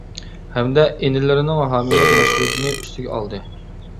ھەمدە ئىنىلىرىنىڭ ھامىيلىق مەسئۇلىيىتىنى ئۈستىگە ئالدى.